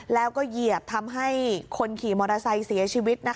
แล้วก็เหยียบทำให้คนขี่มอเตอร์ไซค์เสียชีวิต